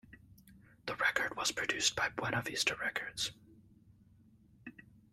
The record was produced by Buena Vista Records.